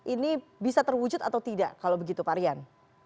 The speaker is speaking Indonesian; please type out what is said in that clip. ini bisa terwujud atau tidak kalau begitu pak rian